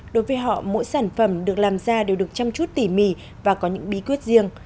đối với họ mỗi sản phẩm được làm ra đều được chăm chút tỉ mỉ và có những bí quyết riêng